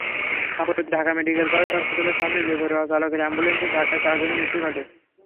সম্প্রতি Dhaka medical college হাসপাতালের সামনে বেপরোয়া চালকের অ্যাম্বুলেন্সের ধাক্কায় চারজনের মৃত্যু ঘটে।